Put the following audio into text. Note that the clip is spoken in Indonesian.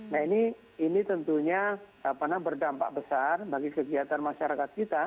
nah ini tentunya berdampak besar bagi kegiatan masyarakat kita